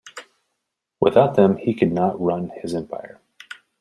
Without them he could not run his empire.